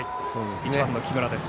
１番の木村です。